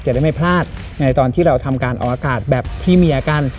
ได้ไม่พลาดในตอนที่เราทำการออกอากาศแบบพี่เมียกัน